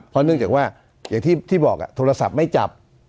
เพราะเนื่องจากว่าอย่างที่บอกโทรศัพท์ไม่จับ